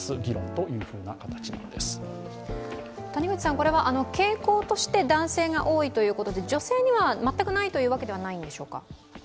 これは傾向として男性が多いということで女性には全くないということではないんでしょうか？